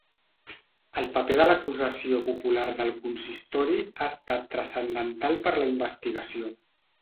El paper de l’acusació popular del consistori ha estat transcendental per la investigació.